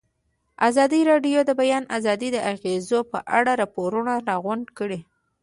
ازادي راډیو د د بیان آزادي د اغېزو په اړه ریپوټونه راغونډ کړي.